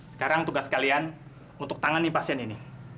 sekarang tugas kalian untuk tangani pasien ini